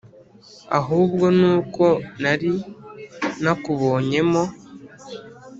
ahubwo nuko nari nakubonyemo